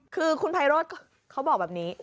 คือคุณไพโรธเขาบอกแบบนี้